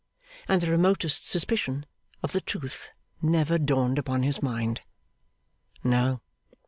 and the remotest suspicion of the truth never dawned upon his mind. No.